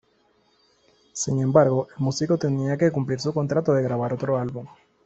Sin embargo, el músico tenía que cumplir su contrato de grabar otro álbum.